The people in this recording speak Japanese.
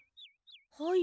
はい。